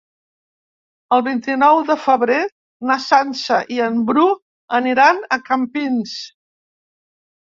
El vint-i-nou de febrer na Sança i en Bru aniran a Campins.